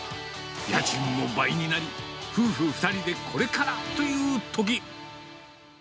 家賃も倍になり、夫婦２人でこれからというとき。